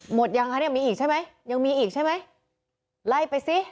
หมดยังคะเนี่ยมีอีกใช่ไหมยังมีอีกใช่ไหมไล่ไปสิ